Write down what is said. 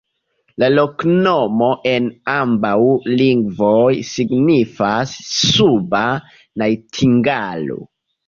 La loknomo en ambaŭ lingvoj signifas: suba najtingalo.